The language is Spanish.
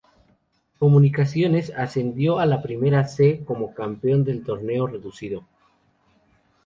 Comunicaciones ascendió a la Primera C como campeón del Torneo Reducido.